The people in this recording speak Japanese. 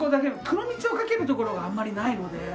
黒蜜をかけるところがあんまりないので。